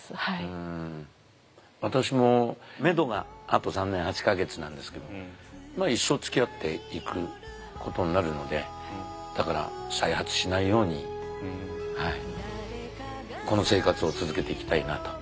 私もめどがあと３年８か月なんですけど一生つきあっていくことになるのでだから再発しないようにこの生活を続けていきたいなと。